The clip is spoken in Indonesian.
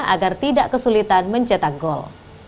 agar tidak kesulitan mencetak gol